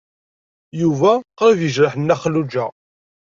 Yuba qrib yejreḥ Nna Xelluǧa.